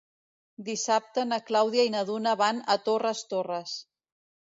Dissabte na Clàudia i na Duna van a Torres Torres.